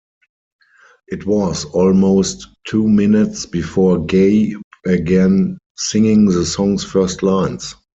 It was almost two minutes before Gaye began singing the song's first lines.